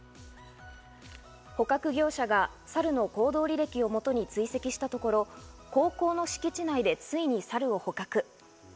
捕獲業者がサルの行動履歴をもとに追跡したところ、高校の敷地内でついにサルを捕獲。